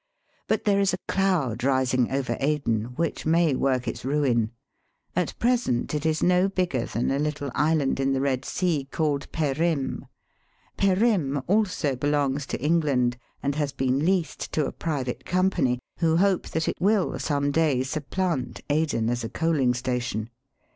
But there is a cloud rising over Aden VOL. II. 41 Digitized by VjOOQIC 338 EAST BY WEST. which may work its ruin. At present it is no bigger than a Httle island in the Eed Sea called Perim. Perim also belongs to England, and has been leased to a private company, who hope that it will some day supplant Aden as a coaling station.